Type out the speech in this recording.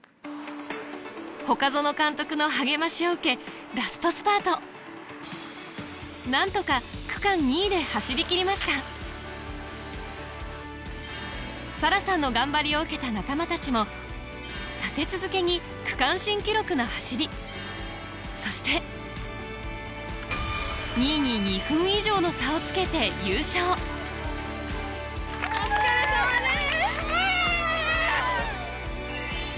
外園監督の励ましを受けラストスパート何とか区間２位で走りきりましたサラさんの頑張りを受けた仲間たちも立て続けにの走りそして２位に２分以上の差をつけて優勝お疲れさまです！